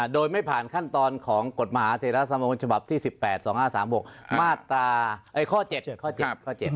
โดยไม่ผ่านขั้นตอนของกฎมหาเศรษฐ์สมบัติภาพที่๑๘๒๕๓๖ข้อ๗